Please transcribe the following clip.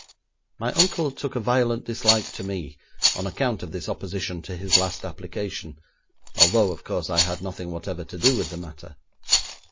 'My uncle took a violent dislike to me on account of this opposition to his last application, although, of course, I had nothing whatever to do with the matter.